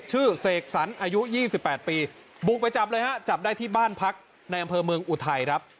เสกสรรอายุ๒๘ปีบุกไปจับเลยฮะจับได้ที่บ้านพักในอำเภอเมืองอุทัยครับ